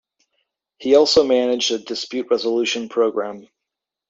He also managed a dispute resolution program.